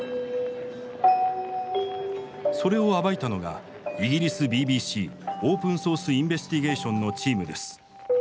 それを暴いたのがイギリスＢＢＣオープンソース・インベスティゲーションのチームです。